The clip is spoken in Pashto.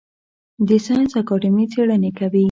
د ساینس اکاډمي څیړنې کوي